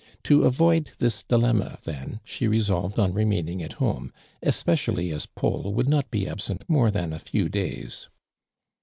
To avoid this dilemma, then, she resolved on remaining at home, esi)eeialiy as Paul would not be absent more than a few days.